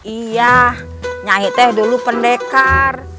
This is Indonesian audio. iya nyahi teh dulu pendekar